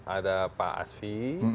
ada pak asfi